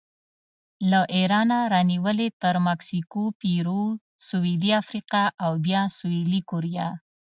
له ایرانه رانیولې تر مکسیکو، پیرو، سویلي افریقا او بیا سویلي کوریا